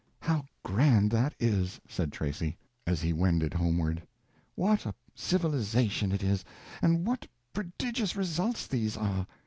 "How grand that is!" said Tracy, as he wended homeward. "What a civilization it is, and what prodigious results these are!